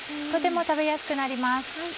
とても食べやすくなります。